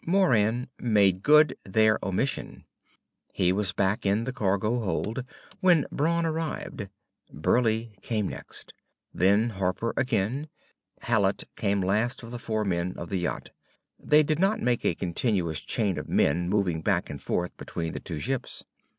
Moran made good their omission. He was back in the cargo hold when Brawn arrived. Burleigh came next. Then Harper again. Hallet came last of the four men of the yacht. They did not make a continuous chain of men moving back and forth between the two ships.